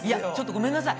ごめんなさい。